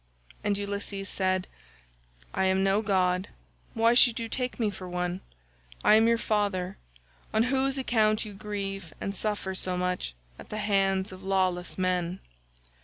And Ulysses said, "I am no god, why should you take me for one? I am your father, on whose account you grieve and suffer so much at the hands of lawless men."